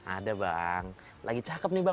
ada bang lagi cakep nih bang